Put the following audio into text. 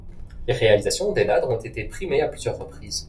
Les réalisations d’Ennadre ont été primées à plusieurs reprises.